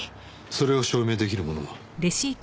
それを証明出来るものは？